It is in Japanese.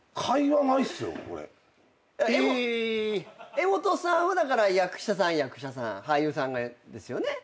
柄本さんは役者さん役者さん俳優さんですよね。